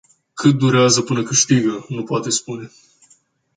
Cât durează până câștigă, nu poate spune.